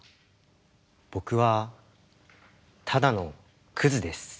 僕はただのクズです。